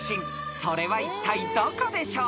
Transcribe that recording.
［それはいったいどこでしょう？］